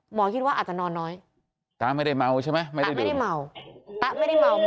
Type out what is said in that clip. หมอคิดว่าอาจจะนอนน้อยตาไม่ได้เมาใช่ไหมไม่ได้ดื่มตาไม่ได้เมาตาไม่ได้เมา